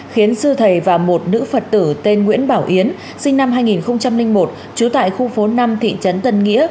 khiến sư thầy và một nữ phật tử tên nguyễn bảo yến sinh năm hai nghìn một trú tại khu phố năm thị trấn tân nghĩa